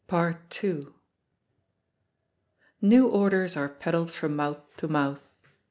New orders are peddled from mouth to mouth.